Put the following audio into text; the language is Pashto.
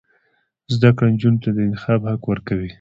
زده کړه نجونو ته د انتخاب حق ورکوي.